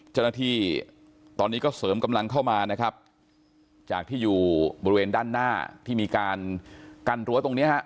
เจ้าหน้าที่ตอนนี้ก็เสริมกำลังเข้ามานะครับจากที่อยู่บริเวณด้านหน้าที่มีการกั้นรั้วตรงเนี้ยฮะ